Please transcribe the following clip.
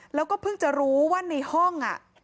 แล้วก็เพิ่งจะรู้ว่าในห้อง